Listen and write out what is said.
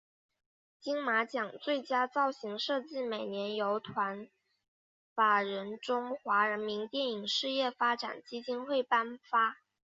金马奖最佳造型设计每年由财团法人中华民国电影事业发展基金会颁发。